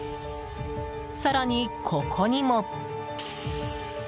更に、ここにも。